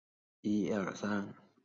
毕业于广东教育学院中文专业。